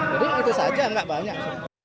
jadi itu saja tidak banyak